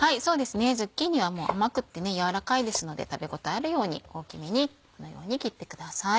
ズッキーニは甘くって軟らかいですので食べ応えあるように大きめにこのように切ってください。